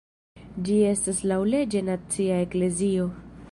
Ĝi estas laŭleĝe nacia eklezio.